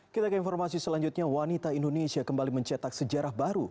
kita ke informasi selanjutnya wanita indonesia kembali mencetak sejarah baru